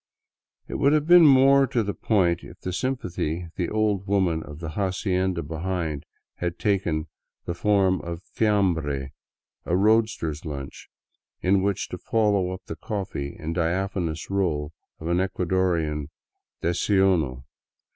It would have been more to the point if the sympathy the old woman of the hacienda behind had taken the form of fiamhre, a roadster's lunch, with which to follow up the coffee and diaphanous roll of an Ecuadorian desayuno.